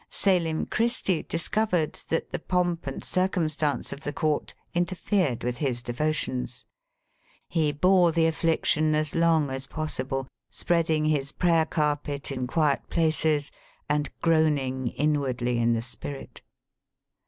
Selim Christi discovered that the pomp and circumstance of the Court inter fered with his devotions. He bore the affic tion as long as possible, spreading his prayer carpet in quiet places and groaning inwardly in the spirit.